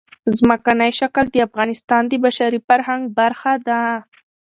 ځمکنی شکل د افغانستان د بشري فرهنګ برخه ده.